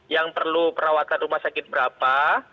yang perlu perawatan rumah sakit berapa